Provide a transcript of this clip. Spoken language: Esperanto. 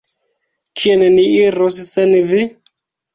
Kien ni iros sen vi?